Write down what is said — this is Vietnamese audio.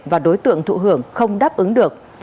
và đối tượng thụ hưởng không đáp ứng được